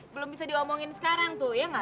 belum bisa diomongin sekarang tuh ya nggak